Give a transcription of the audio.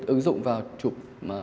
ứng dụng vào chụp